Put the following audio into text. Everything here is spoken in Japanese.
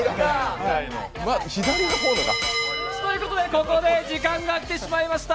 ここで時間が来てしまいました。